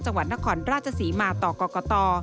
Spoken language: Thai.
จังหวัดนครราชสีมาต่อก่อก่อต่อ